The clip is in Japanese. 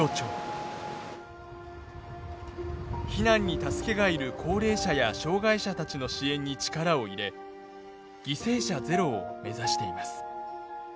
避難に助けが要る高齢者や障害者たちの支援に力を入れ犠牲者ゼロを目指しています。